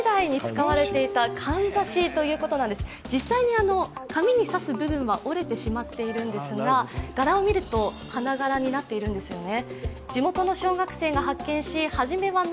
実際、髪に挿す部分は折れてしまっているんですが柄を見ると、花柄になっているんですよね。